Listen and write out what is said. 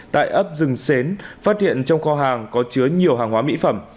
tại ấp rừng xến phát hiện trong kho hàng có chứa nhiều hàng hóa mỹ phẩm